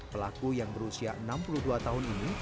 pelaku yang berusia enam puluh dua tahun ini